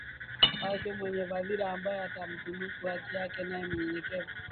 wake mwenye fadhila ambaye atamtunuku haki yake Naye mnyenyekevu